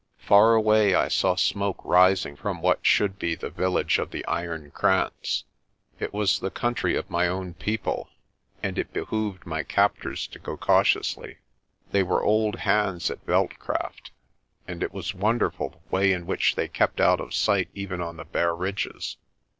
Far away I saw smoke rising from what should be the village of the Iron Kranz. It was the country of my own people, and it behooved my captors to go cau tiously. They were old hands at veld craft, and it was wonderful the way in which they kept out of sight even on the bare ridges.